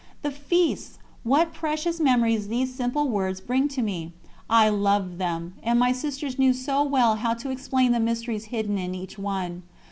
The feasts! What precious memories these simple words bring to me. I loved them; and my sisters knew so well how to explain the mysteries hidden in each one.